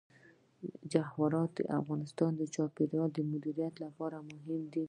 جواهرات د افغانستان د چاپیریال د مدیریت لپاره مهم دي.